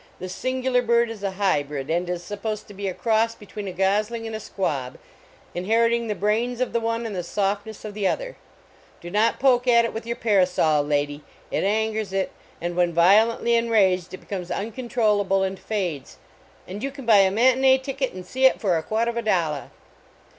This sin gular bird is a hybrid, and is supposed to be a cross between a gosling and a squab, inheriting the brains of the one and the softness of the other. Do not poke at it with your parasol, lady, it angers it, and when violently enraged it becomes uncontroll 176 THE OLD ROAD SHOW able and fades, and you can buy a matinee ticket and see it fora quatovadollah.